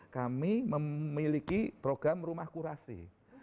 kami memiliki program rumah kurasi